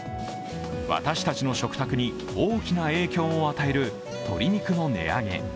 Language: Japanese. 私たちの食卓に大きな影響を与える鶏肉の値上げ。